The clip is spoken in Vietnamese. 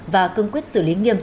và cưng quyết xử lý nghiêm